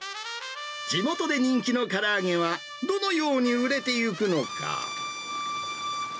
地元で人気のから揚げは、どのように売れてゆくのか。